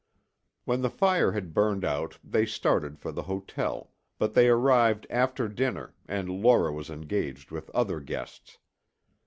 When the fire had burned out they started for the hotel, but they arrived after dinner and Laura was engaged with other guests.